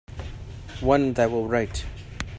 One that will write.